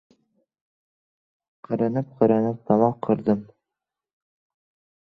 Qirinib-qirinib tomoq qirdim.